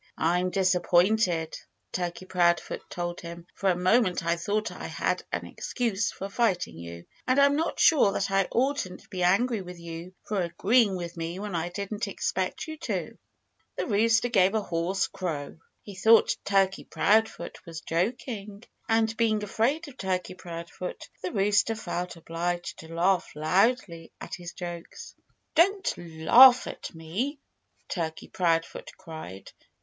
"I'm disappointed," Turkey Proudfoot told him. "For a moment I thought I had an excuse for fighting you. And I'm not sure that I oughtn't to be angry with you for agreeing with me when I didn't expect you to." The rooster gave a hoarse crow. He thought Turkey Proudfoot was joking. And being afraid of Turkey Proudfoot, the rooster felt obliged to laugh loudly at his jokes. "Don't laugh at me!" Turkey Proudfoot cried.